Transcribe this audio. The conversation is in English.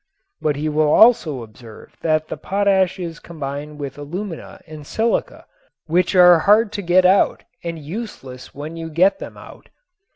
But he will also observe that the potash is combined with alumina and silica, which are hard to get out and useless when you get them out.